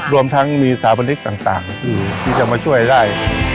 รวมทั้งมีสาปนิกต่างที่จะมาช่วยได้